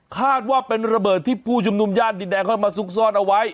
คาดว่าเป็นระเบิดที่ผู้ชุมนุมย่านดินแดงค่อยมาซุกซ่อนเอาไว้